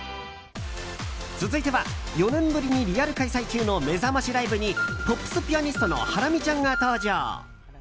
続いては、４年ぶりにリアル開催中のめざましライブにポップスピアニストのハラミちゃんが登場！